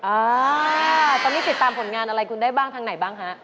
อ่าตอนนี้ติดตามผลงานอะไรคุณได้บ้างทางไหนบ้างฮะ